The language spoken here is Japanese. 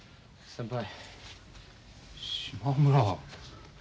先輩！